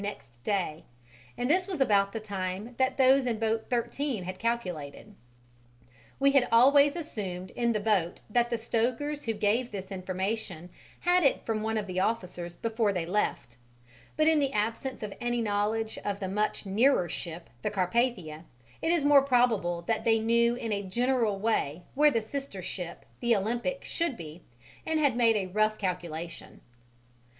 next day, and this was about the time that those in boat 13 had calculated. We had always assumed in the boat that the stokers who gave this information had it from one of the officers before they left; but in the absence of any knowledge of the much nearer ship, the Carpathia, it is more probable that they knew in a general way where the sister ship, the Olympic, should be, and had made a rough calculation.